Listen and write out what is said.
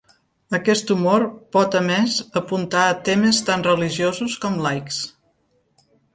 Aquest humor pot a més apuntar a temes tant religiosos com laics.